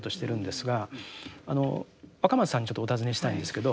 若松さんにちょっとお尋ねしたいんですけど。